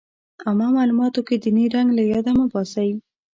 عامه معلوماتو کې ديني رنګ له ياده مه وباسئ.